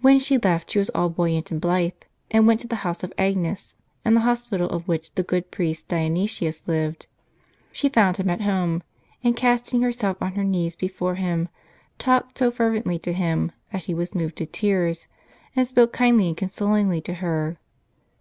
When she left she was all buoyant and blithe, and went to the house of Agnes, in the hospital of which the good priest Dyonisius lived. She found him at home; and casting herself on her knees before him, talked so fervently to him that he was moved to tears, and spoke kindly and consolingly to her.